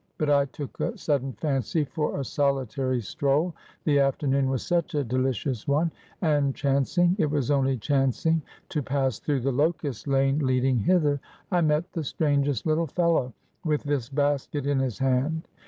But I took a sudden fancy for a solitary stroll, the afternoon was such a delicious one; and chancing it was only chancing to pass through the Locust Lane leading hither, I met the strangest little fellow, with this basket in his hand.